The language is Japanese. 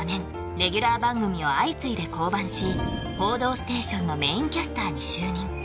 レギュラー番組を相次いで降板し「報道ステーション」のメインキャスターに就任